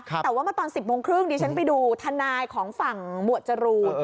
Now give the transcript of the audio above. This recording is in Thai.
แต่ว่าเมื่อตอน๑๐โมงครึ่งดิฉันไปดูทนายของฝั่งหมวดจรูน